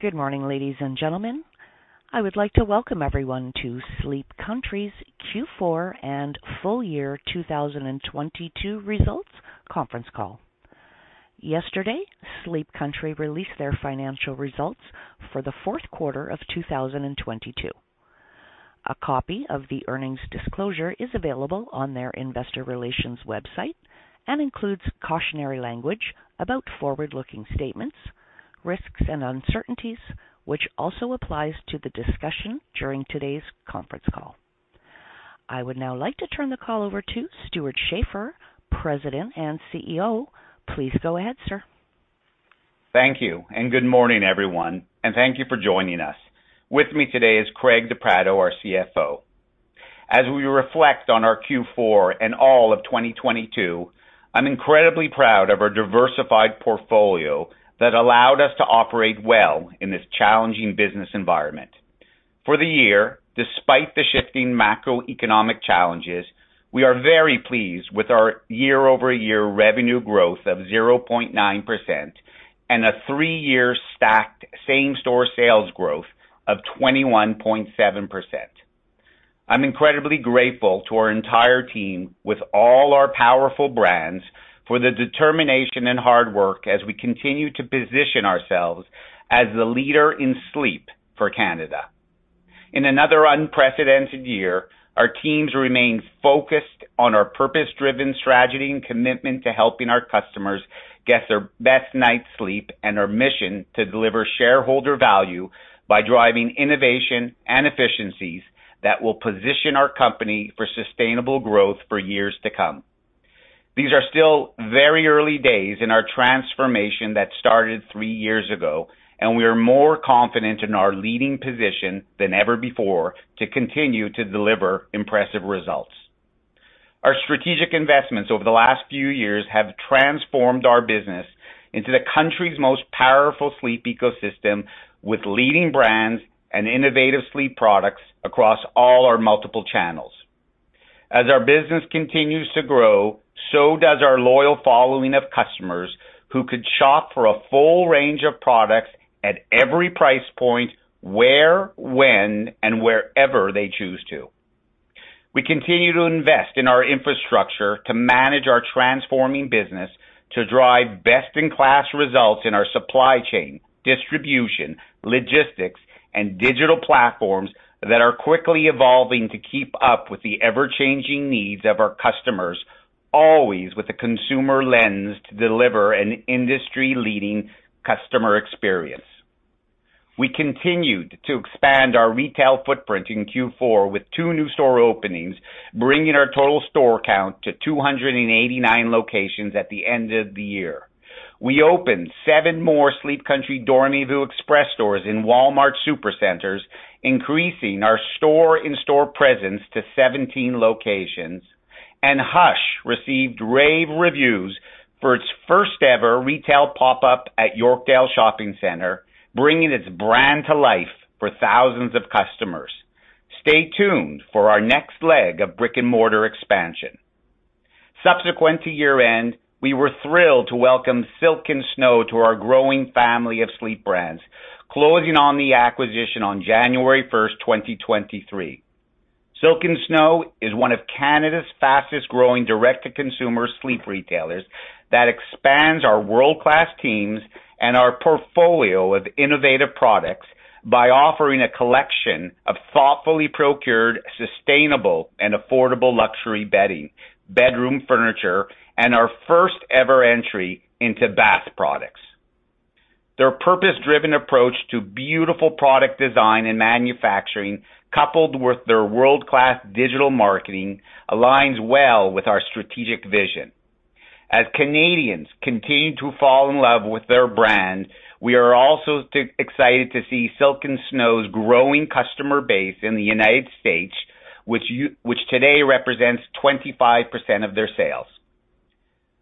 Good morning, ladies and gentlemen. I would like to welcome everyone to Sleep Country's Q4 and full year 2022 results conference call. Yesterday, Sleep Country released their financial results for the fourth quarter of 2022. A copy of the earnings disclosure is available on their investor relations website and includes cautionary language about forward-looking statements, risks, and uncertainties, which also applies to the discussion during today's conference call. I would now like to turn the call over to Stewart Schaefer, President and CEO. Please go ahead, sir. Thank you. Good morning, everyone, and thank you for joining us. With me today is Craig De Pratto, our CFO. As we reflect on our Q4 and all of 2022, I'm incredibly proud of our diversified portfolio that allowed us to operate well in this challenging business environment. For the year, despite the shifting macroeconomic challenges, we are very pleased with our year-over-year revenue growth of 0.9% and a three-year stacked same-store sales growth of 21.7%. I'm incredibly grateful to our entire team with all our powerful brands for the determination and hard work as we continue to position ourselves as the leader in Sleep for Canada. In another unprecedented year, our teams remained focused on our purpose-driven strategy and commitment to helping our customers get their best night's sleep and our mission to deliver shareholder value by driving innovation and efficiencies that will position our company for sustainable growth for years to come. These are still very early days in our transformation that started three years ago, and we are more confident in our leading position than ever before to continue to deliver impressive results. Our strategic investments over the last few years have transformed our business into the country's most powerful Sleep ecosystem, with leading brands and innovative Sleep products across all our multiple channels. As our business continues to grow, so does our loyal following of customers who could shop for a full range of products at every price point, where, when, and wherever they choose to. We continue to invest in our infrastructure to manage our transforming business to drive best-in-class results in our supply chain, distribution, logistics, and digital platforms that are quickly evolving to keep up with the ever-changing needs of our customers, always with a consumer lens to deliver an industry-leading customer experience. We continued to expand our retail footprint in Q4 with two new store openings, bringing our total store count to 289 locations at the end of the year. We opened seven more Sleep Country/Dormez-vous Express stores in Walmart Supercenters, increasing our store in-store presence to 17 locations. Hush received rave reviews for its first-ever retail pop-up at Yorkdale Shopping Centre, bringing its brand to life for thousands of customers. Stay tuned for our next leg of brick-and-mortar expansion. Subsequent to year-end, we were thrilled to welcome Silk & Snow to our growing family of Sleep brands, closing on the acquisition on January 1st, 2023. Silk & Snow is one of Canada's fastest-growing direct-to-consumer Sleep retailers that expands our world-class teams and our portfolio of innovative products by offering a collection of thoughtfully procured, sustainable, and affordable luxury bedding, bedroom furniture, and our first-ever entry into bath products. Their purpose-driven approach to beautiful product design and manufacturing, coupled with their world-class digital marketing, aligns well with our strategic vision. As Canadians continue to fall in love with their brand, we are also excited to see Silk & Snow's growing customer base in the United States, which today represents 25% of their sales.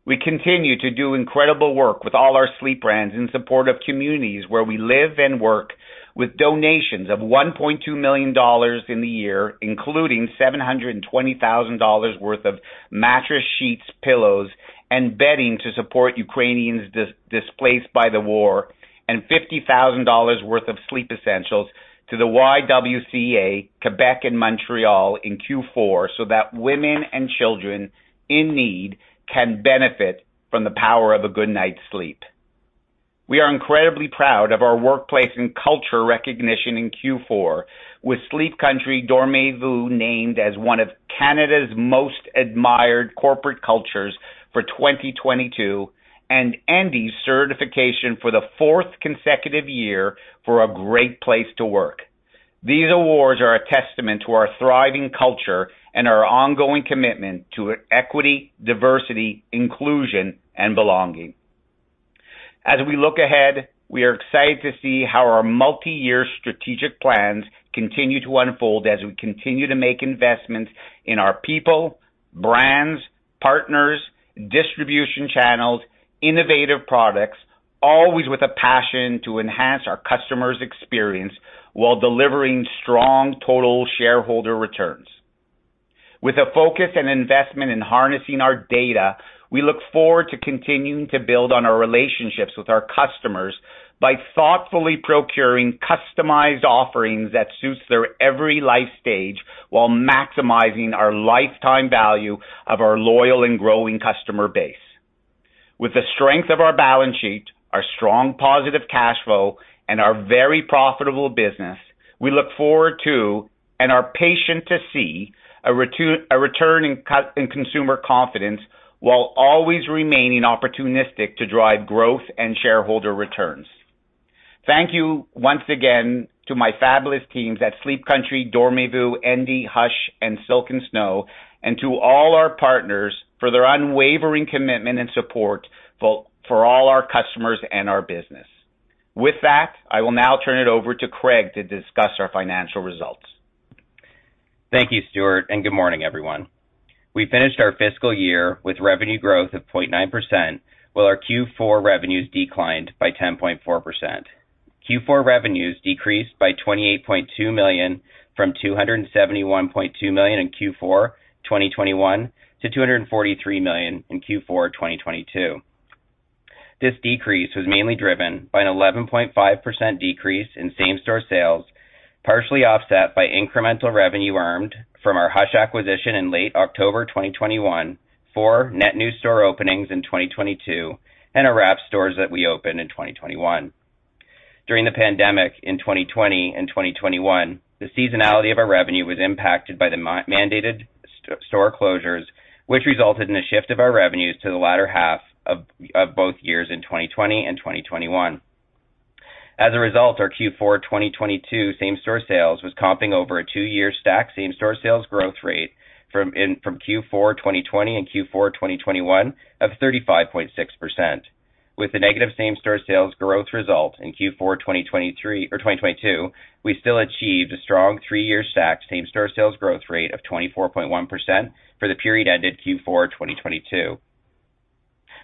We continue to do incredible work with all our sleep brands in support of communities where we live and work with donations of 1.2 million dollars in the year, including 720,000 dollars worth of mattress, sheets, pillows, and bedding to support Ukrainians displaced by the war, and 50,000 dollars worth of Sleep essentials to the YWCA Québec and Montreal in Q4 so that women and children in need can benefit from the power of a good night's sleep. We are incredibly proud of our workplace and culture recognition in Q4, with Sleep Country/Dormez-vous named as one of Canada's most admired corporate cultures for 2022 and Endy's certification for the fourth consecutive year for a Great Place to Work. These awards are a testament to our thriving culture and our ongoing commitment to equity, diversity, inclusion, and belonging. As we look ahead, we are excited to see how our multi-year strategic plans continue to unfold as we continue to make investments in our people, brands, partners, distribution channels, innovative products, always with a passion to enhance our customers' experience while delivering strong total shareholder returns. With a focus and investment in harnessing our data, we look forward to continuing to build on our relationships with our customers by thoughtfully procuring customized offerings that suit their every life stage, while maximizing our lifetime value of our loyal and growing customer base. With the strength of our balance sheet, our strong positive cash flow, and our very profitable business, we look forward to and are patient to see a return in consumer confidence, while always remaining opportunistic to drive growth and shareholder returns. Thank you once again to my fabulous teams at Sleep Country/Dormez-vous, Endy, Hush, and Silk & Snow, and to all our partners for their unwavering commitment and support for all our customers and our business. With that, I will now turn it over to Craig to discuss our financial results. Thank you, Stewart, and good morning, everyone. We finished our fiscal year with revenue growth of 0.9%, while our Q4 revenues declined by 10.4%. Q4 revenues decreased by 28.2 million from 271.2 million in Q4 2021 to 243 million in Q4 2022. This decrease was mainly driven by an 11.5% decrease in same-store sales, partially offset by incremental revenue earned from our Hush acquisition in late October 2021, four net new store openings in 2022, and our new stores that we opened in 2021. During the pandemic in 2020 and 2021, the seasonality of our revenue was impacted by the mandated store closures, which resulted in a shift of our revenues to the latter half of both years in 2020 and 2021. As a result, our Q4 2022 same-store sales was comping over a two-year stacked same-store sales growth rate from Q4 2020 and Q4 2021 of 35.6%. With the negative same-store sales growth result in Q4 2022, we still achieved a strong three-year stacked same-store sales growth rate of 24.1% for the period ended Q4 2022.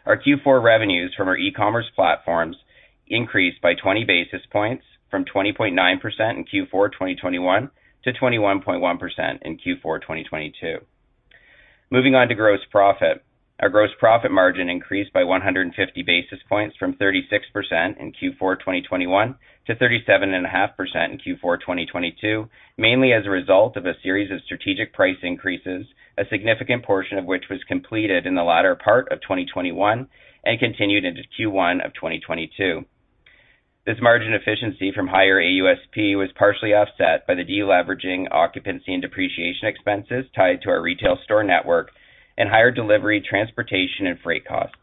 Our Q4 revenues from our e-commerce platforms increased by 20 basis points from 20.9% in Q4 2021 to 21.1% in Q4 2022. Moving on to gross profit. Our gross profit margin increased by 150 basis points from 36% in Q4 2021 to 37.5% in Q4 2022, mainly as a result of a series of strategic price increases, a significant portion of which was completed in the latter part of 2021 and continued into Q1 2022. This margin efficiency from higher AUSP was partially offset by the deleveraging occupancy and depreciation expenses tied to our retail store network and higher delivery, transportation, and freight costs.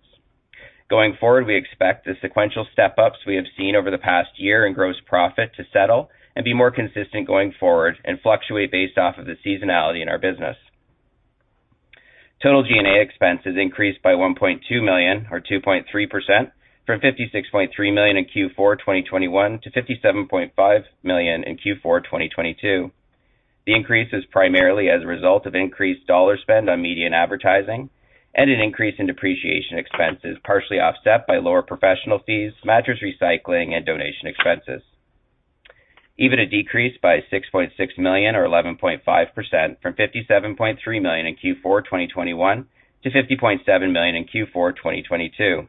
Going forward, we expect the sequential step-ups we have seen over the past year in gross profit to settle and be more consistent going forward and fluctuate based off of the seasonality in our business. Total G&A expenses increased by 1.2 million or 2.3% from 56.3 million in Q4 2021 to 57.5 million in Q4 2022. The increase is primarily as a result of increased dollar spend on media and advertising and an increase in depreciation expenses, partially offset by lower professional fees, mattress recycling, and donation expenses. Even a decrease by 6.6 million or 11.5% from 57.3 million in Q4 2021 to 50.7 million in Q4 2022.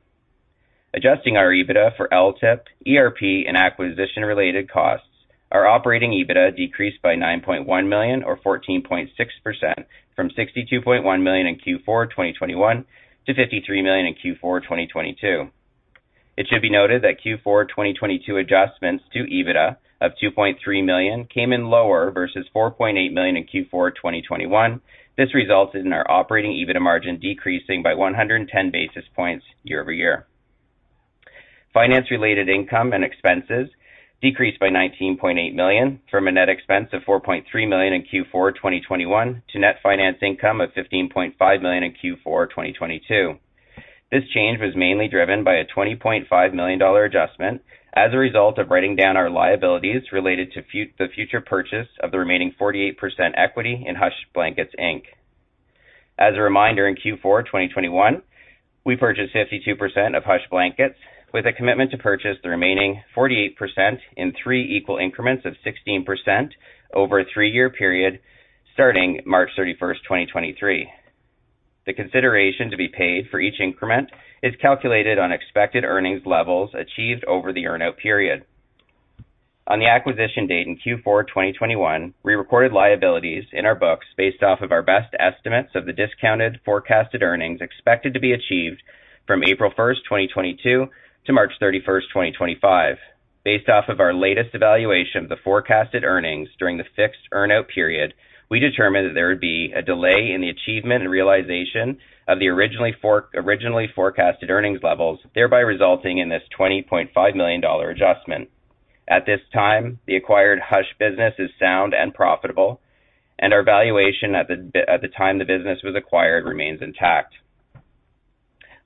Adjusting our EBITDA for LTIP, ERP, and acquisition-related costs, our operating EBITDA decreased by 9.1 million or 14.6% from 62.1 million in Q4 2021 to 53 million in Q4 2022. It should be noted that Q4 2022 adjustments to EBITDA of 2.3 million came in lower versus 4.8 million in Q4 2021. This resulted in our operating EBITDA margin decreasing by 110 basis points year-over-year. Finance-related income and expenses decreased by 19.8 million from a net expense of 4.3 million in Q4 2021 to net finance income of 15.5 million in Q4 2022. This change was mainly driven by a 20.5 million dollar adjustment as a result of writing down our liabilities related to the future purchase of the remaining 48% equity in Hush Blankets Inc. As a reminder, in Q4 2021, we purchased 52% of Hush Blankets with a commitment to purchase the remaining 48% in three equal increments of 16% over a three-year period, starting March 31st, 2023. The consideration to be paid for each increment is calculated on expected earnings levels achieved over the earn-out period. On the acquisition date in Q4 2021, we recorded liabilities in our books based off of our best estimates of the discounted forecasted earnings expected to be achieved from April 1st, 2022 to March 31st, 2025. Based off of our latest evaluation of the forecasted earnings during the fixed earn-out period, we determined that there would be a delay in the achievement and realization of the originally forecasted earnings levels, thereby resulting in this 20.5 million dollar adjustment. At this time, the acquired Hush business is sound and profitable, and our valuation at the time the business was acquired remains intact.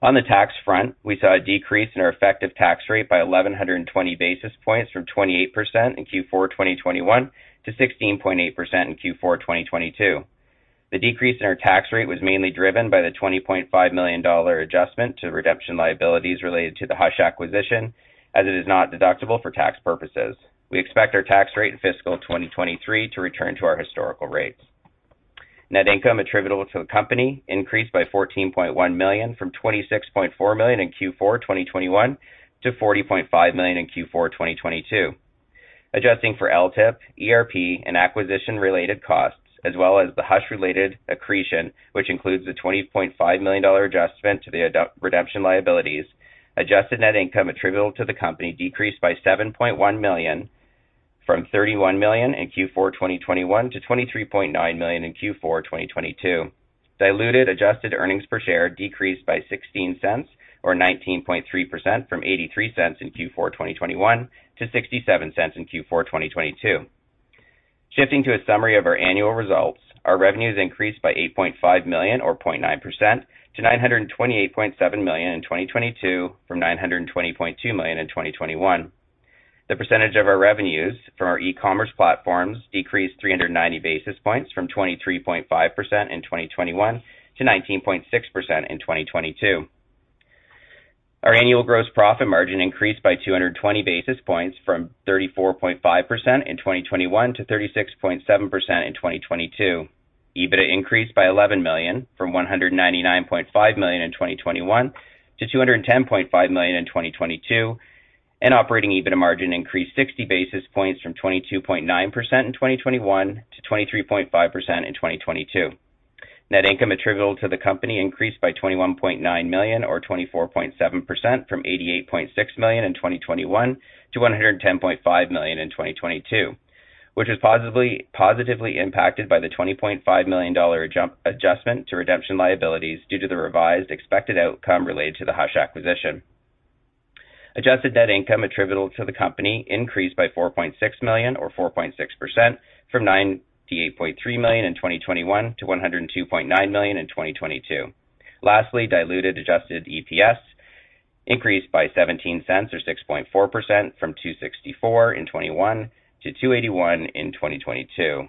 On the tax front, we saw a decrease in our effective tax rate by 1,120 basis points from 28% in Q4 2021 to 16.8% in Q4 2022. The decrease in our tax rate was mainly driven by the 20.5 million dollar adjustment to redemption liabilities related to the Hush acquisition, as it is not deductible for tax purposes. We expect our tax rate in fiscal 2023 to return to our historical rates. Net income attributable to the company increased by 14.1 million from 26.4 million in Q4 2021 to 40.5 million in Q4 2022. Adjusting for LTIP, ERP, and acquisition-related costs, as well as the Hush-related accretion, which includes the 20.5 million dollar adjustment to the redemption liabilities, adjusted net income attributable to the company decreased by 7.1 million from 31 million in Q4 2021 to 23.9 million in Q4 2022. Diluted adjusted earnings per share decreased by 0.16, or 19.3% from 0.83 in Q4 2021 to 0.67 in Q4 2022. Shifting to a summary of our annual results, our revenues increased by 8.5 million or 0.9% to 928.7 million in 2022 from 920.2 million in 2021. The percentage of our revenues from our e-commerce platforms decreased 390 basis points from 23.5% in 2021 to 19.6% in 2022. Our annual gross profit margin increased by 220 basis points from 34.5% in 2021 to 36.7% in 2022. EBITDA increased by 11 million from 199.5 million in 2021 to 210.5 million in 2022, and operating EBITDA margin increased 60 basis points from 22.9% in 2021 to 23.5% in 2022. Net income attributable to the company increased by 21.9 million or 24.7% from 88.6 million in 2021 to 110.5 million in 2022, which was positively impacted by the 20.5 million dollar adjustment to redemption liabilities due to the revised expected outcome related to the Hush acquisition. Adjusted net income attributable to the company increased by 4.6 million or 4.6% from 98.3 million in 2021 to 102.9 million in 2022. Lastly, diluted adjusted EPS increased by 0.17 or 6.4% from 2.64 in 2021 to 2.81 in 2022.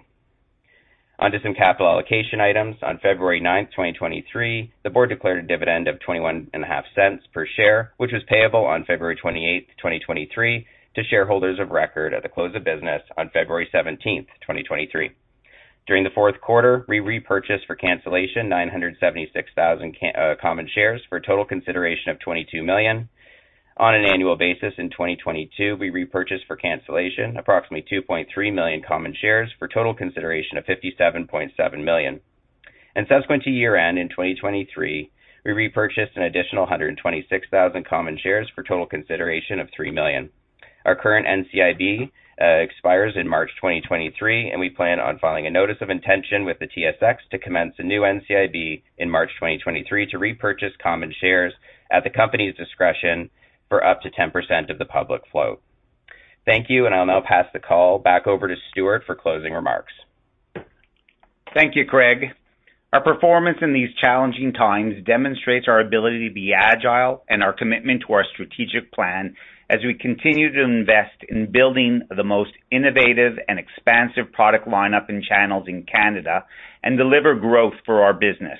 On to some capital allocation items. On February 9th, 2023, the board declared a dividend of 21.5 cents per share, which was payable on February 28th, 2023 to shareholders of record at the close of business on February 17th, 2023. During the fourth quarter, we repurchased for cancellation 976,000 common shares for total consideration of 22 million. On an annual basis in 2022, we repurchased for cancellation approximately 2.3 million common shares for total consideration of 57.7 million. Subsequent to year-end in 2023, we repurchased an additional 126,000 common shares for total consideration of 3 million. Our current NCIB expires in March 2023. We plan on filing a notice of intention with the TSX to commence a new NCIB in March 2023 to repurchase common shares at the company's discretion for up to 10% of the public float. Thank you. I'll now pass the call back over to Stewart for closing remarks. Thank you, Craig. Our performance in these challenging times demonstrates our ability to be agile and our commitment to our strategic plan as we continue to invest in building the most innovative and expansive product lineup and channels in Canada and deliver growth for our business.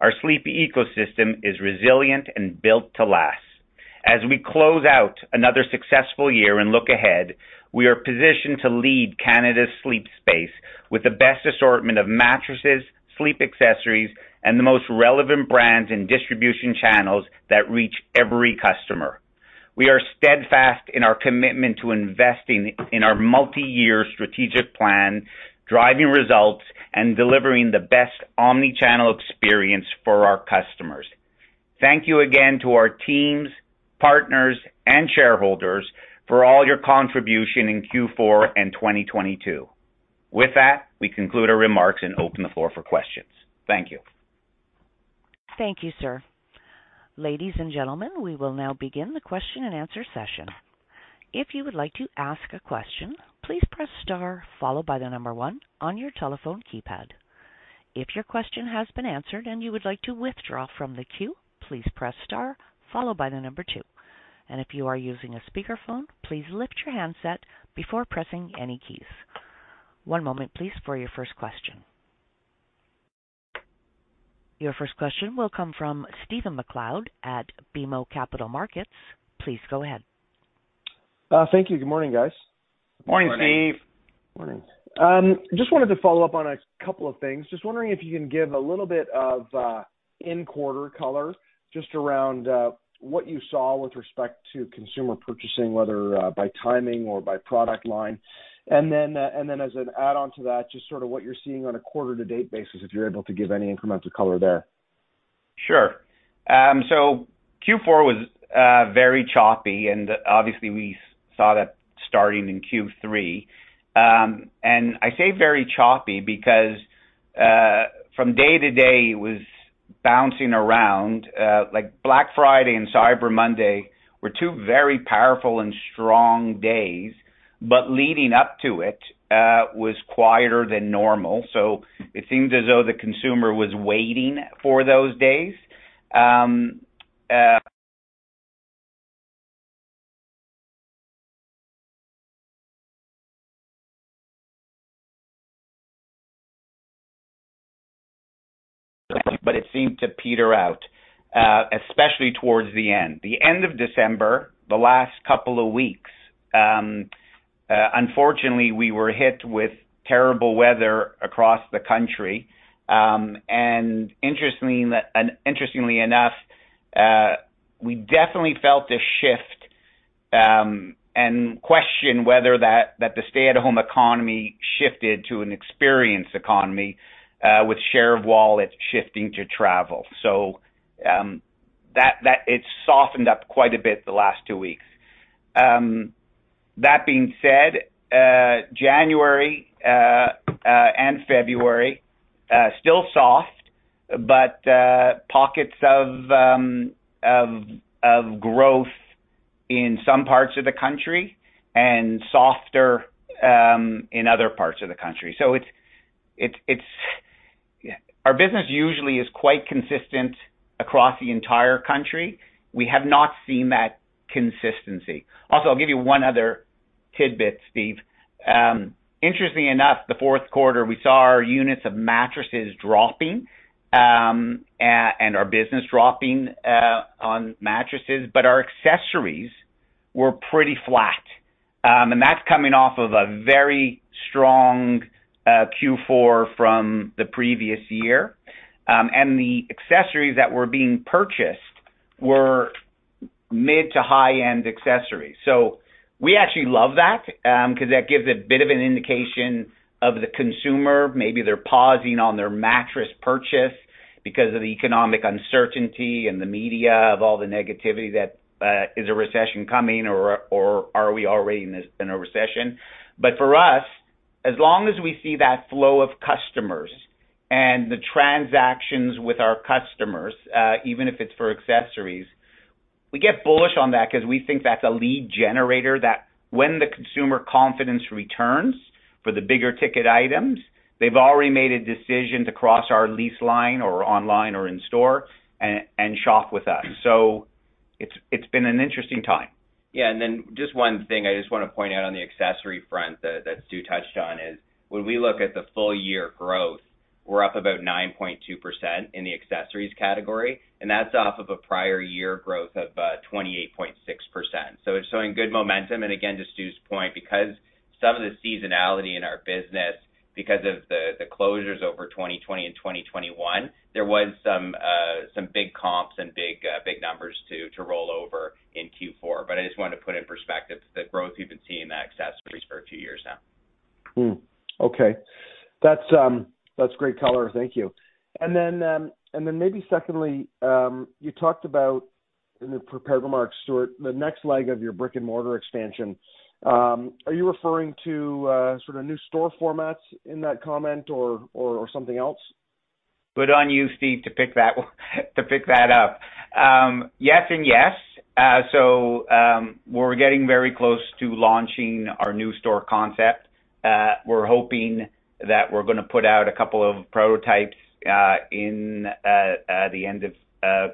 Our Sleep ecosystem is resilient and built to last. As we close out another successful year and look ahead, we are positioned to lead Canada's Sleep space with the best assortment of mattresses, sleep accessories, and the most relevant brands and distribution channels that reach every customer. We are steadfast in our commitment to investing in our multi-year strategic plan, driving results, and delivering the best omnichannel experience for our customers. Thank you again to our teams, partners, and shareholders for all your contribution in Q4 and 2022. With that, we conclude our remarks and open the floor for questions. Thank you. Thank you, sir. Ladies and gentlemen, we will now begin the question-and-answer session. If you would like to ask a question, please press star followed by the number one on your telephone keypad. If your question has been answered and you would like to withdraw from the queue, please press star followed by the number two. If you are using a speakerphone, please lift your handset before pressing any keys. One moment please for your first question. Your first question will come from Stephen MacLeod at BMO Capital Markets. Please go ahead. Thank you. Good morning, guys. Good morning, Steve. Morning. Just wanted to follow up on a couple of things. Just wondering if you can give a little bit of in quarter color just around what you saw with respect to consumer purchasing, whether by timing or by product line. As an add-on to that, just sort of what you're seeing on a quarter to date basis, if you're able to give any incremental color there. Sure. Q4 was very choppy, and obviously we saw that starting in Q3. And I say very choppy because from day-to-day it was bouncing around, like Black Friday and Cyber Monday were two very powerful and strong days, but leading up to it was quieter than normal. It seems as though the consumer was waiting for those days. But it seemed to peter out especially towards the end. The end of December, the last couple of weeks, unfortunately, we were hit with terrible weather across the country. And interestingly enough, we definitely felt a shift and questioned whether that the stay-at-home economy shifted to an experience economy with share of wallet shifting to travel. That it's softened up quite a bit the last two weeks. That being said, January and February still soft, but pockets of growth in some parts of the country and softer in other parts of the country. It's... Our business usually is quite consistent across the entire country. We have not seen that consistency. Also, I'll give you one other tidbit, Steve. Interestingly enough, the fourth quarter, we saw our units of mattresses dropping, and our business dropping on mattresses, but our accessories were pretty flat. That's coming off of a very strong Q4 from the previous year. The accessories that were being purchased were mid to high-end accessories. We actually love that, 'cause that gives a bit of an indication of the consumer. Maybe they're pausing on their mattress purchase because of the economic uncertainty and the media of all the negativity that is a recession coming or are we already in this, in a recession? For us, as long as we see that flow of customers and the transactions with our customers, even if it's for accessories, we get bullish on that 'cause we think that's a lead generator that when the consumer confidence returns for the bigger ticket items, they've already made a decision to cross our lease line or online or in store and shop with us. It's been an interesting time. Just one thing I just wanna point out on the accessory front that Stew touched on is, when we look at the full year growth, we're up about 9.2% in the accessories category, and that's off of a prior year growth of 28.6%. It's showing good momentum. Again, to Stew's point, because some of the seasonality in our business because of the closures over 2020 and 2021, there was some big comps and big numbers to roll over in Q4. I just wanted to put in perspective the growth we've been seeing in that accessories for a few years now. Okay. That's great color. Thank you. Then maybe secondly, you talked about in the prepared remarks, Stewart, the next leg of your brick-and-mortar expansion. Are you referring to sort of new store formats in that comment or, or something else? Good on you, Steve, to pick that one, to pick that up. Yes and yes. We're getting very close to launching our new store concept. We're hoping that we're gonna put out a couple of prototypes in the end of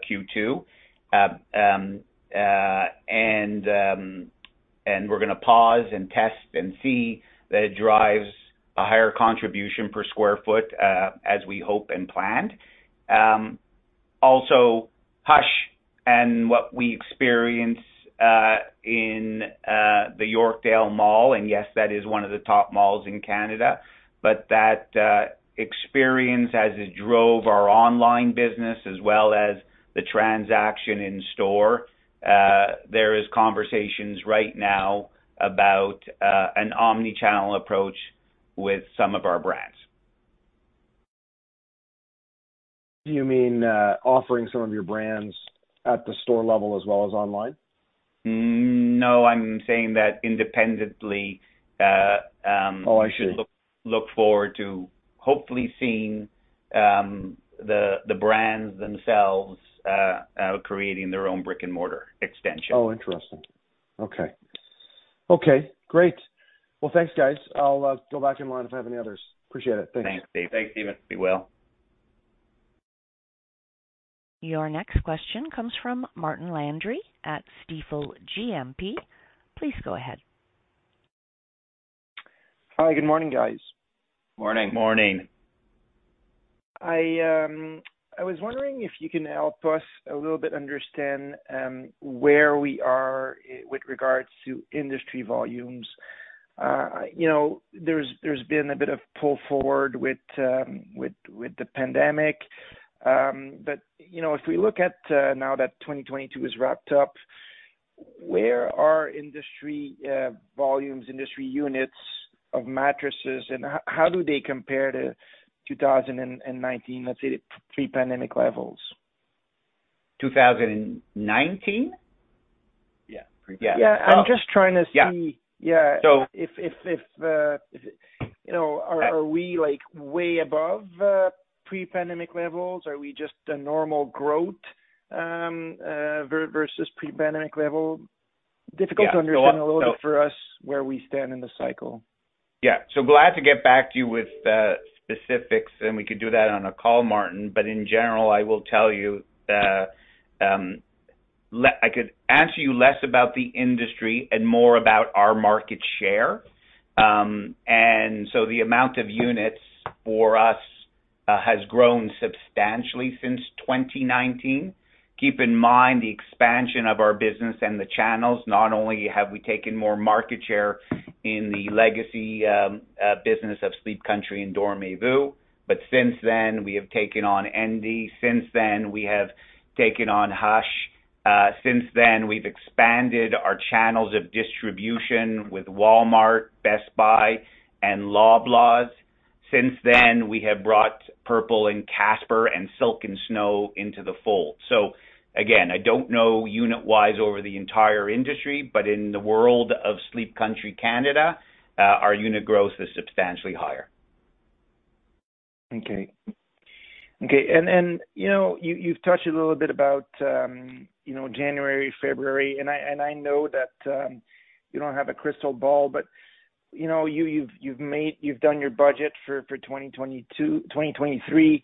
Q2. We're gonna pause and test and see that it drives a higher contribution per square foot, as we hope and planned. Also Hush and what we experience in the Yorkdale Mall, and yes, that is one of the top malls in Canada, but that experience as it drove our online business as well as the transaction in store, there is conversations right now about an omnichannel approach with some of our brands. Do you mean, offering some of your brands at the store level as well as online? No. I'm saying that independently. Oh, I see. -should look forward to hopefully seeing, the brands themselves, creating their own brick-and-mortar extension. Oh, interesting. Okay. Okay, great. Well, thanks, guys. I'll go back in line if I have any others. Appreciate it. Thanks. Thanks, Steve. Thanks, Stephen. Be well. Your next question comes from Martin Landry at Stifel GMP. Please go ahead. Hi. Good morning, guys. Morning. Morning. I was wondering if you can help us a little bit understand where we are with regards to industry volumes. You know, there's been a bit of pull forward with the pandemic. You know, if we look at now that 2022 is wrapped up, where are industry volumes, industry units of mattresses, and how do they compare to 2019, let's say pre-pandemic levels? 2019? Yeah. Yeah. Yeah. I'm just trying to see. Yeah. Yeah. So- If, you know, are we like way above, pre-pandemic levels? Are we just a normal growth, versus pre-pandemic level? Yeah. Difficult to understand a little bit for us where we stand in the cycle. Glad to get back to you with the specifics, and we could do that on a call, Martin. In general, I will tell you, I could answer you less about the industry and more about our market share. The amount of units for us has grown substantially since 2019. Keep in mind the expansion of our business and the channels. Not only have we taken more market share in the legacy business of Sleep Country and Dormez-vous, but since then, we have taken on Endy. Since then, we have taken on Hush. Since then, we've expanded our channels of distribution with Walmart, Best Buy, and Loblaw. Since then, we have brought Purple and Casper and Silk & Snow into the fold. Again, I don't know unit-wise over the entire industry, but in the world of Sleep Country Canada, our unit growth is substantially higher. Okay. Okay. You know, you've touched a little bit about, you know, January, February, and I, and I know that you don't have a crystal ball, but, you know, you've done your budget for 2022... 2023.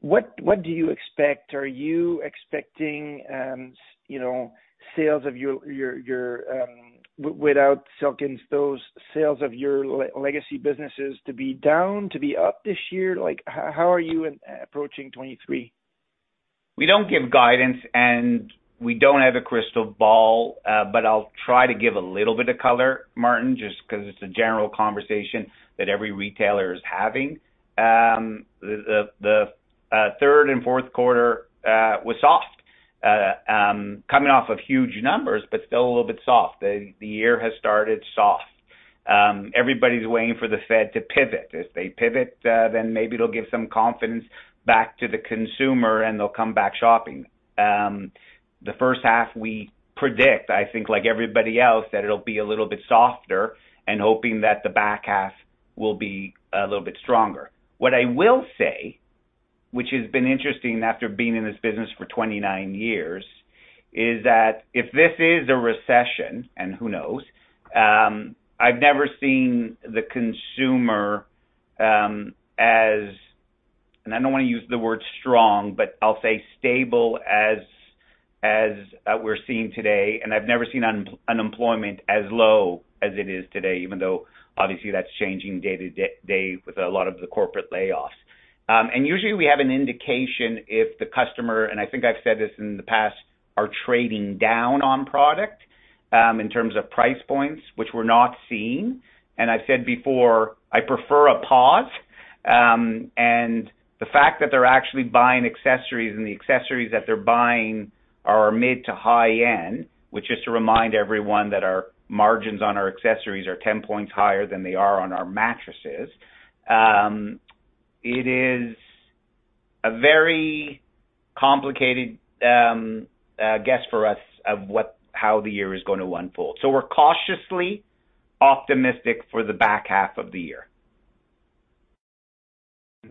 What do you expect? Are you expecting, you know, sales of your without Silk & Snow, sales of your legacy businesses to be down, to be up this year? Like, how are you approaching 2023? We don't give guidance, and we don't have a crystal ball, but I'll try to give a little bit of color, Martin, just 'cause it's a general conversation that every retailer is having. The third and fourth quarter was soft. Coming off of huge numbers, but still a little bit soft. The year has started soft. Everybody's waiting for the Fed to pivot. If they pivot, then maybe it'll give some confidence back to the consumer, and they'll come back shopping. The first half we predict, I think like everybody else, that it'll be a little bit softer and hoping that the back half will be a little bit stronger. What I will say, which has been interesting after being in this business for 29 years, is that if this is a recession, and who knows, I've never seen the consumer as... and I don't wanna use the word strong, but I'll say stable as we're seeing today, and I've never seen unemployment as low as it is today, even though obviously that's changing day to day with a lot of the corporate layoffs. Usually we have an indication if the customer, and I think I've said this in the past, are trading down on product, in terms of price points, which we're not seeing. I said before, I prefer a pause. The fact that they're actually buying accessories and the accessories that they're buying are mid to high-end, which is to remind everyone that our margins on our accessories are 10 points higher than they are on our mattresses. It is a very complicated guess for us of how the year is gonna unfold. We're cautiously optimistic for the back half of the year.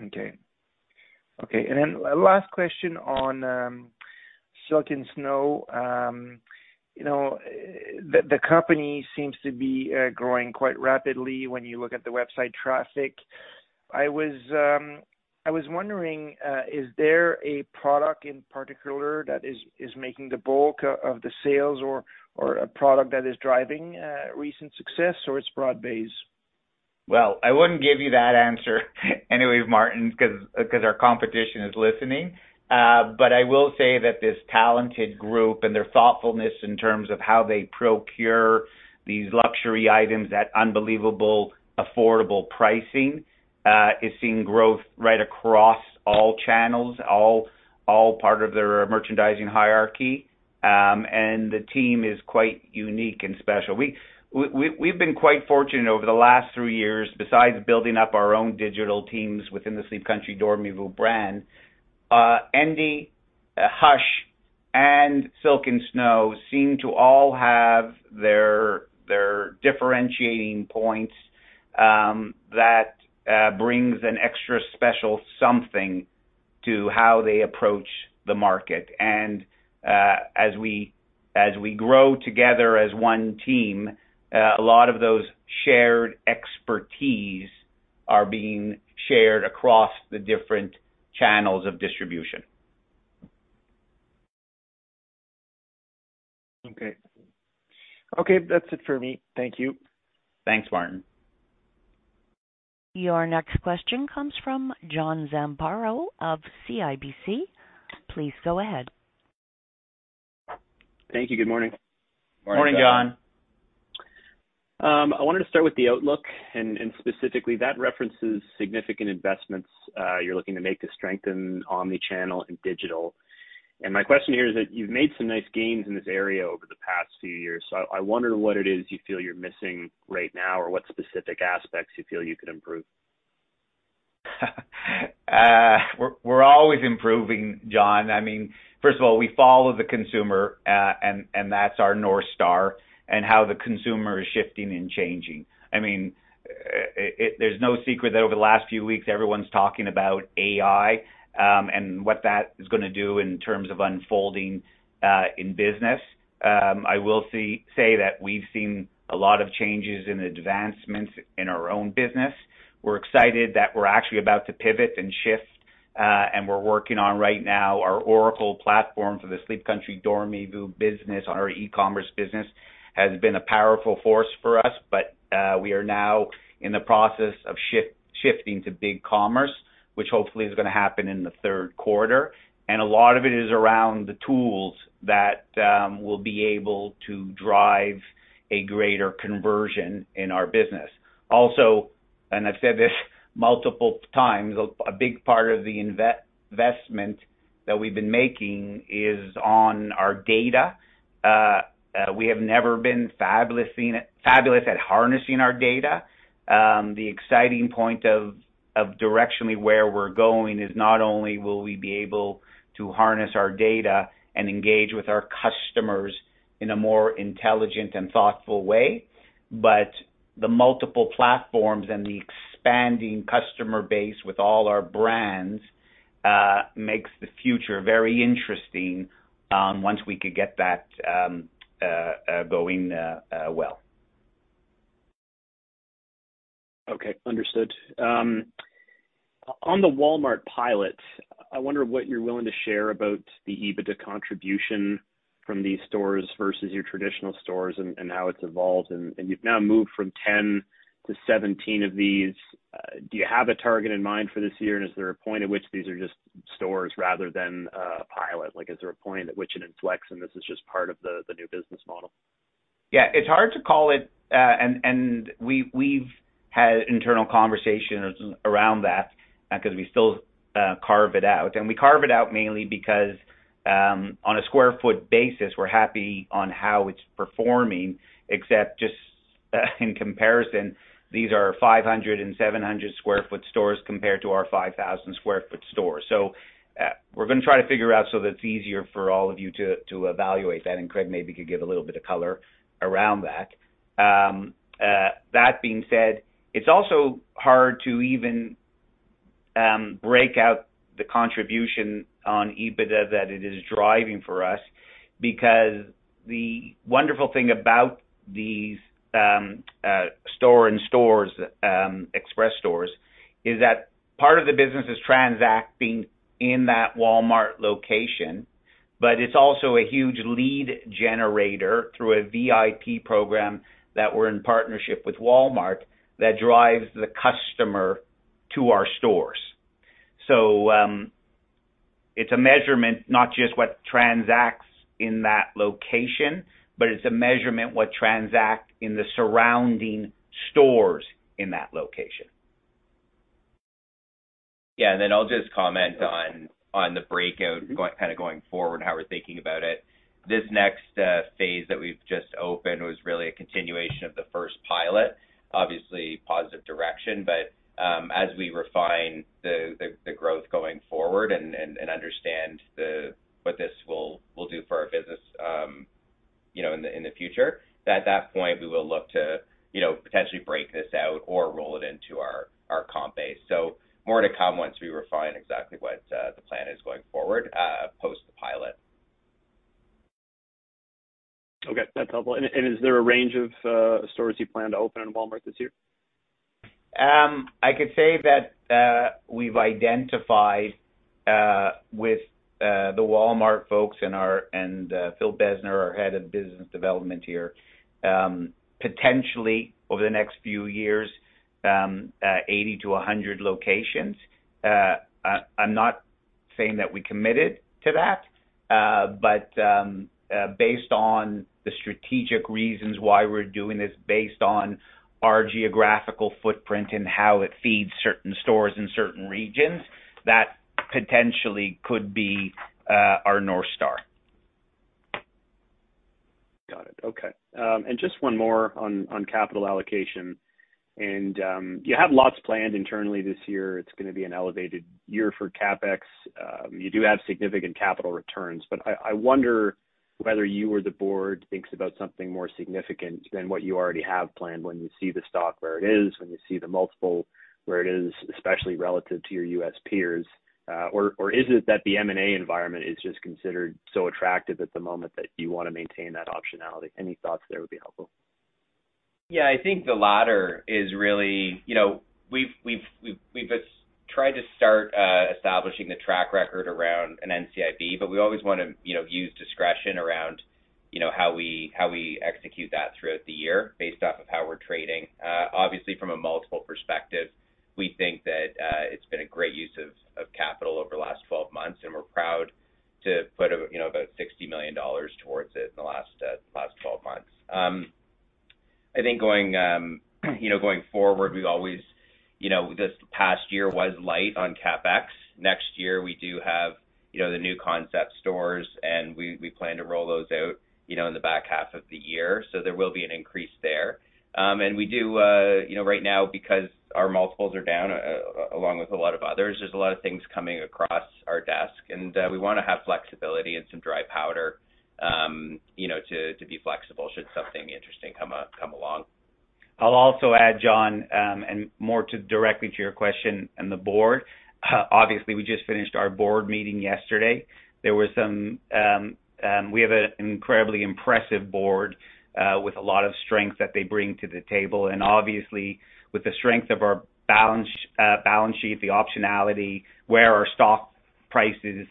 Okay. Okay. Last question on Silk & Snow. You know, the company seems to be growing quite rapidly when you look at the website traffic. I was wondering, is there a product in particular that is making the bulk of the sales or a product that is driving recent success or it's broad-based? Well, I wouldn't give you that answer anyways, Martin, 'cause our competition is listening. I will say that this talented group and their thoughtfulness in terms of how they procure these luxury items at unbelievable affordable pricing, is seeing growth right across all channels, all part of their merchandising hierarchy. The team is quite unique and special. We've been quite fortunate over the last three years besides building up our own digital teams within the Sleep Country/Dormez-vous brand. Endy, Hush, and Silk & Snow seem to all have their differentiating points, that brings an extra special something to how they approach the market. As we, as we grow together as one team, a lot of those shared expertise are being shared across the different channels of distribution. Okay. Okay, that's it for me. Thank you. Thanks, Martin. Your next question comes from John Zamparo of CIBC. Please go ahead. Thank you. Good morning. Morning, John. I wanted to start with the outlook and specifically that references significant investments, you're looking to make to strengthen omnichannel and digital. My question here is that you've made some nice gains in this area over the past few years. I wonder what it is you feel you're missing right now or what specific aspects you feel you could improve. We're always improving, John. I mean, first of all, we follow the consumer, and that's our North Star and how the consumer is shifting and changing. I mean, there's no secret that over the last few weeks, everyone's talking about AI, and what that is gonna do in terms of unfolding in business. I will say that we've seen a lot of changes and advancements in our own business. We're excited that we're actually about to pivot and shift. We're working on right now our Oracle platform for the Sleep Country/Dormez-vous business. Our e-commerce business has been a powerful force for us, but we are now in the process of shifting to BigCommerce, which hopefully is gonna happen in the third quarter. A lot of it is around the tools that we'll be able to drive a greater conversion in our business. Also, and I've said this multiple times, a big part of the investment that we've been making is on our data. We have never been fabulous at harnessing our data. The exciting point of directionally where we're going is not only will we be able to harness our data and engage with our customers in a more intelligent and thoughtful way, but the multiple platforms and the expanding customer base with all our brands makes the future very interesting once we could get that going well. Okay, understood. On the Walmart pilot, I wonder what you're willing to share about the EBITDA contribution from these stores versus your traditional stores and how it's evolved. You've now moved from 10 to 17 of these. Do you have a target in mind for this year? Is there a point at which these are just stores rather than a pilot? Like, is there a point at which it inflects, and this is just part of the new business model? Yeah, it's hard to call it. We've had internal conversations around that because we still carve it out. We carve it out mainly because on a square foot basis, we're happy on how it's performing, except just in comparison, these are 500 and 700 sq ft stores compared to our 5,000 sq ft store. We're gonna try to figure out so that it's easier for all of you to evaluate that. Craig maybe could give a little bit of color around that. That being said, it's also hard to even break out the contribution on EBITDA that it is driving for us, because the wonderful thing about these store-in-stores, express stores is that part of the business is transacting in that Walmart location, but it's also a huge lead generator through a VIP program that we're in partnership with Walmart that drives the customer to our stores. It's a measurement, not just what transacts in that location, but it's a measurement what transact in the surrounding stores in that location. Yeah. I'll just comment on the breakout kinda going forward, how we're thinking about it. This next phase that we've just opened was really a continuation of the first pilot. Obviously, positive direction, but as we refine the growth going forward and understand what this will do for our business, you know, in the future, at that point, we will look to, you know, potentially break this out or roll it into our comp base. More to come once we refine exactly what the plan is going forward post the pilot. Okay, that's helpful. Is there a range of stores you plan to open in Walmart this year? I could say that we've identified with the Walmart folks and Phil Besner, our Head of Business Development here, potentially over the next few years, 80 to 100 locations. I'm not saying that we committed to that, but based on the strategic reasons why we're doing this based on our geographical footprint and how it feeds certain stores in certain regions, that potentially could be our North Star. Got it. Okay. Just one more on capital allocation. You have lots planned internally this year. It's gonna be an elevated year for CapEx. You do have significant capital returns, but I wonder whether you or the board thinks about something more significant than what you already have planned when you see the stock where it is, when you see the multiple where it is, especially relative to your U.S. peers. Is it that the M&A environment is just considered so attractive at the moment that you wanna maintain that optionality? Any thoughts there would be helpful? Yeah. I think the latter is really... You know, we've tried to start establishing the track record around an NCIB, but we always wanna, you know, use discretion around, you know, how we execute that throughout the year based off of how we're trading. Obviously from a multiple perspective, we think that it's been a great use of capital over the last 12 months, and we're proud to put, you know, about $60 million towards it in the last 12 months. I think going, you know, going forward, we've always... You know, this past year was light on CapEx. Next year, we do have, you know, the new concept stores, and we plan to roll those out, you know, in the back half of the year. There will be an increase there. We do, you know, right now, because our multiples are down, along with a lot of others, there's a lot of things coming across our desk, we wanna have flexibility and some dry powder, you know, to be flexible should something interesting come along. I'll also add, John, and more to directly to your question and the board. Obviously, we just finished our board meeting yesterday. There were some. We have an incredibly impressive board with a lot of strength that they bring to the table. Obviously, with the strength of our balance sheet, the optionality, where our stock prices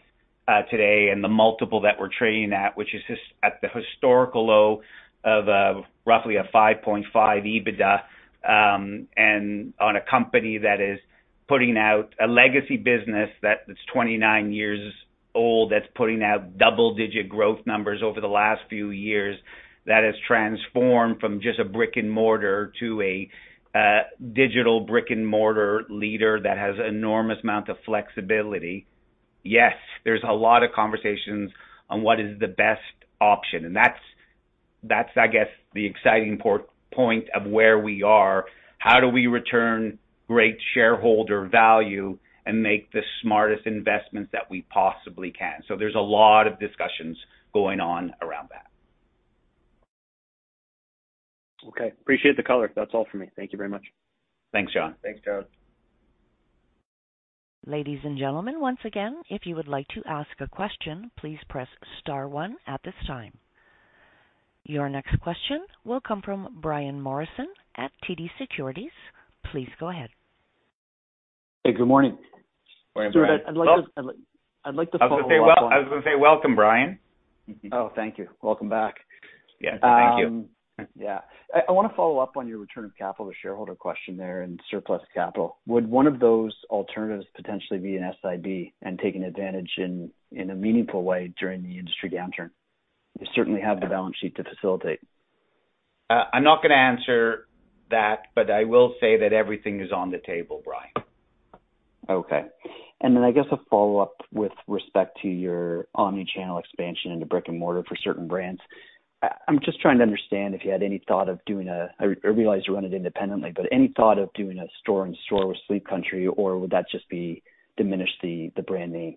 today and the multiple that we're trading at, which is at the historical low of roughly a 5.5x EBITDA, and on a company that is putting out a legacy business that is 29 years old, that's putting out double-digit growth numbers over the last few years, that has transformed from just a brick-and-mortar to a digital brick-and-mortar leader that has enormous amount of flexibility. There's a lot of conversations on what is the best option, and that's, I guess, the exciting point of where we are. How do we return great shareholder value and make the smartest investments that we possibly can? There's a lot of discussions going on around that. Okay. Appreciate the color. That's all for me. Thank you very much. Thanks, John. Thanks, John. Ladies and gentlemen, once again, if you would like to ask a question, please press star one at this time. Your next question will come from Brian Morrison at TD Securities. Please go ahead. Hey, good morning. Morning, Brian. I'd like to follow up on. I was gonna say welcome, Brian. Oh, thank you. Welcome back. Yeah. Thank you. Yeah. I wanna follow up on your return of capital to shareholder question there and surplus capital. Would one of those alternatives potentially be an SIB and taking advantage in a meaningful way during the industry downturn? You certainly have the balance sheet to facilitate. I'm not gonna answer that, but I will say that everything is on the table, Brian. Okay. Then I guess a follow-up with respect to your omnichannel expansion into brick-and-mortar for certain brands? I'm just trying to understand if you had any thought of doing, I realize you run it independently, any thought of doing a store in store with Sleep Country, or would that just be diminish the brand name?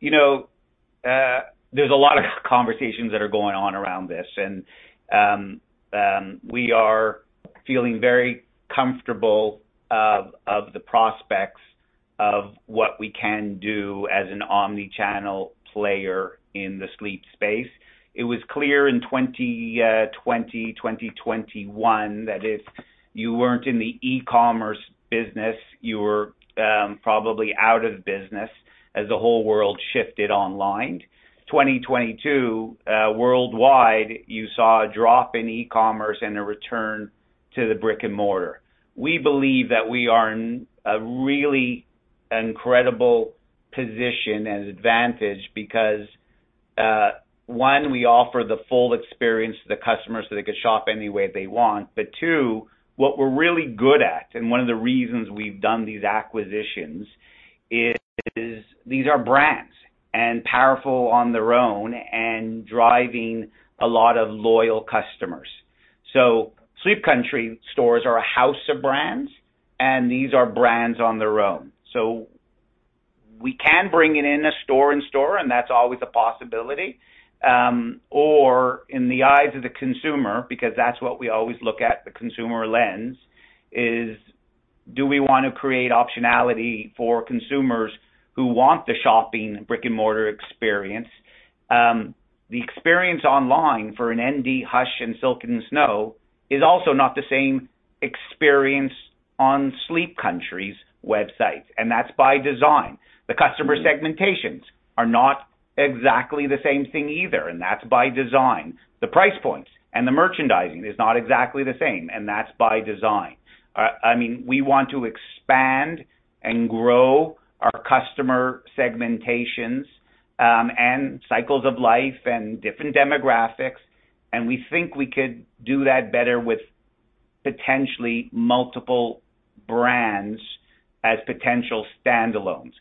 You know, there's a lot of conversations that are going on around this. We are feeling very comfortable of the prospects of what we can do as an omnichannel player in the Sleep space. It was clear in 2021 that if you weren't in the e-commerce business, you were probably out of business as the whole world shifted online. 2022, worldwide, you saw a drop in e-commerce and a return to the brick-and-mortar. We believe that we are in a really incredible position and advantage because, one, we offer the full experience to the customers, so they can shop any way they want. Two, what we're really good at, and one of the reasons we've done these acquisitions is these are brands and powerful on their own and driving a lot of loyal customers. Sleep Country stores are a house of brands, and these are brands on their own. We can bring it in a store in store, and that's always a possibility. Or in the eyes of the consumer, because that's what we always look at, the consumer lens is, do we wanna create optionality for consumers who want the shopping brick-and-mortar experience? The experience online for an Endy, Hush, and Silk & Snow is also not the same experience on Sleep Country's website, and that's by design. The customer segmentations are not exactly the same thing either, and that's by design. The price points and the merchandising is not exactly the same, and that's by design. I mean, we want to expand and grow our customer segmentations, and cycles of life and different demographics, and we think we could do that better with potentially multiple brands as potential standalones.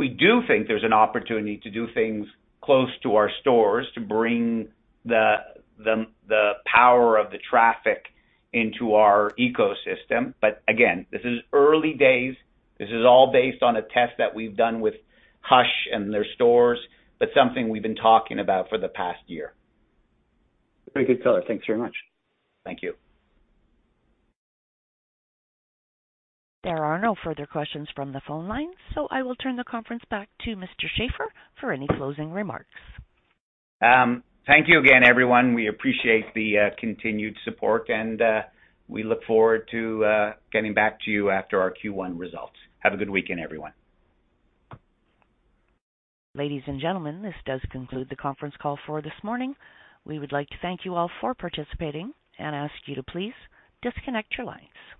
We do think there's an opportunity to do things close to our stores to bring the power of the traffic into our ecosystem. Again, this is early days. This is all based on a test that we've done with Hush and their stores, something we've been talking about for the past year. Very good color. Thanks very much. Thank you. There are no further questions from the phone lines, so I will turn the conference back to Mr. Schaefer for any closing remarks. Thank you again, everyone. We appreciate the continued support and we look forward to getting back to you after our Q1 results. Have a good weekend, everyone. Ladies and gentlemen, this does conclude the conference call for this morning. We would like to thank you all for participating and ask you to please disconnect your lines.